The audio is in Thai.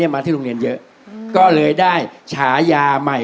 ไม่ใช่